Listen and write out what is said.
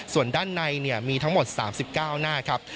ส่วนด้านในมีทั้งหมด๓๙หน้าครับ